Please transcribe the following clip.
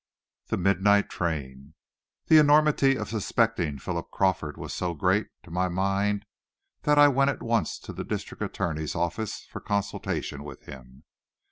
THE MIDNIGHT TRAIN The enormity of suspecting Philip Crawford was so great, to my mind, that I went at once to the district attorney's office for consultation with him.